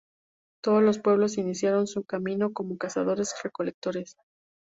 Todos los pueblos iniciaron su camino como cazadores-recolectores.